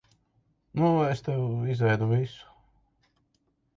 Nu es tev izēdu visu.